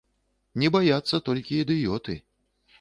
Не баяцца толькі ідыёты.